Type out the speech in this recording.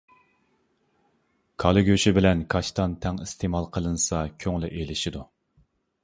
كالا گۆشى بىلەن كاشتان تەڭ ئىستېمال قىلىنسا، كۆڭلى ئېلىشىدۇ.